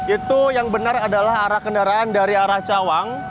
itu yang benar adalah arah kendaraan dari arah cawang